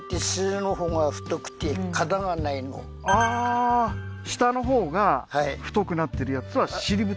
ああー下のほうが太くなってるやつは尻太